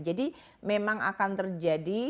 jadi memang akan terjadi